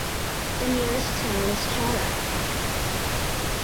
The nearest town is Chara.